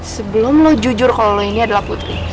sebelum lo jujur kalau lo ini adalah putri